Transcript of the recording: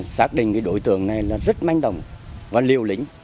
xác định cái đối tượng này là rất manh đồng và liều lính